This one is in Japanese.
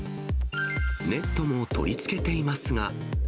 ネットも取り付けていますが。